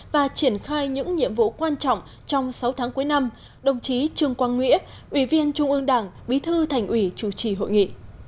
và triển khai những nhiệm vụ quan trọng trong sáu tháng cuối năm đồng chí trương quang nghĩa ủy viên trung ương đảng bí thư thành ủy chủ trì hội nghị